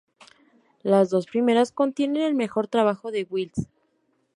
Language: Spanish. Las dos primeras contienen el mejor trabajo de Wills.